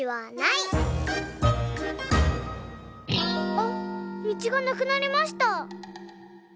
あっ道がなくなりました。